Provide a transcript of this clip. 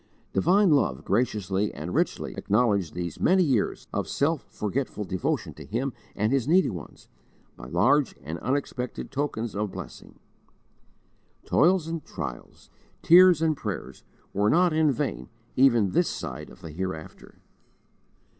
Divine love graciously and richly acknowledged these many years of self forgetful devotion to Him and His needy ones, by large and unexpected tokens of blessing. Toils and trials, tears and prayers, were not in vain even this side of the Hereafter.